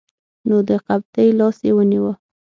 نو د قبطي لاس یې ونیوه.